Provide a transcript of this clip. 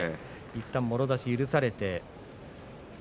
いったんもろ差しを許されて。